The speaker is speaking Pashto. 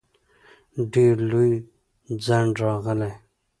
ډېر لوی ځنډ راتلی.